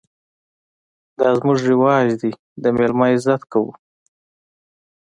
_دا زموږ رواج دی، د مېلمه عزت کوو.